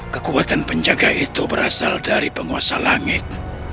kekuatan penjaga itu berasal dari penguasa langit